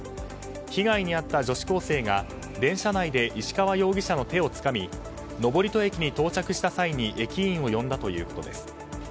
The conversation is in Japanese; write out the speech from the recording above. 被害に遭った女子高生が電車内で石川容疑者の手をつかみ登戸駅に到着した際に駅員を呼んだということです。